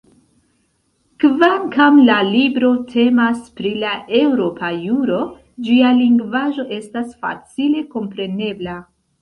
Kvankam la libro temas pri la eŭropa juro, ĝia lingvaĵo estas facile komprenebla.